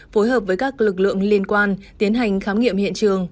phối hợp với các lực lượng liên quan tiến hành khám nghiệm hiện trường